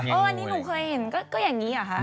วันนี้หนูเคยเห็นก็อย่างนี้เหรอคะ